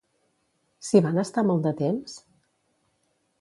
S'hi van estar molt de temps?